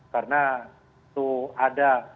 karena itu ada